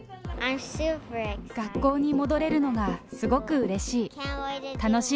学校に戻れるのが、すごくうれしい。